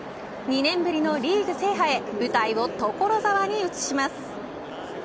２年ぶりのリーグ制覇へ舞台を所沢に移します。